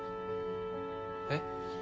えっ？